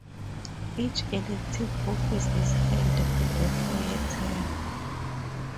Each elective office is held for a four-year term.